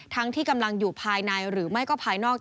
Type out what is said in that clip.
ที่กำลังอยู่ภายในหรือไม่ก็ภายนอก